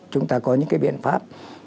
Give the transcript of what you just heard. chúng ta có những cái biện pháp